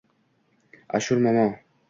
Ashur momo